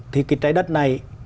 thì cái trái đất này